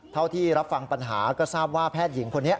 เท่าที่รับฟังปัญหาก็ทราบว่าแพทย์หญิงคนนี้